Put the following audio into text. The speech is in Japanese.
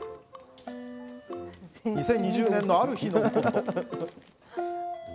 ２０２０年のある日のこと。